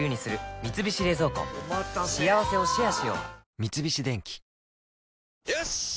三菱電機よしっ！